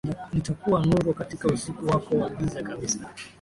Nitakuwa nuru katika usiku wako wa giza kabisa